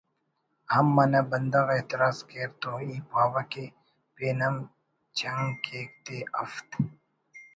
ہم منہ بندغ اعتراض کیر تو ای پاوہ کہ پین ہم چنک کیک تے‘ ہفت